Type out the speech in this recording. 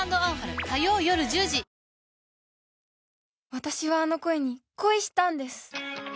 私はあの声に恋したんです